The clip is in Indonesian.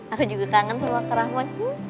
aku juga kangen sama karawan